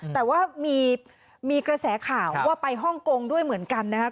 แต่ว่ามีกระแสข่าวว่าไปฮ่องกงด้วยเหมือนกันนะครับ